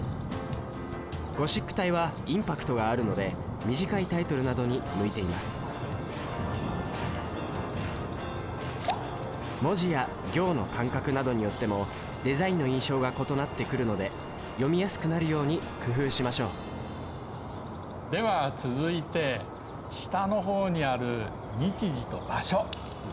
ゴシック体はインパクトがあるので短いタイトルなどに向いています文字や行の間隔などによってもデザインの印象が異なってくるので読みやすくなるように工夫しましょうでは続いて下の方にある日時と場所。